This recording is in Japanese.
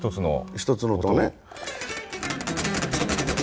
一つの音ね。